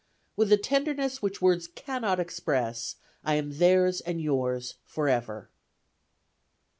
"With a tenderness which words cannot express, I am theirs and yours forever."